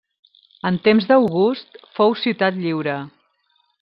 En temps d'August fou ciutat lliure.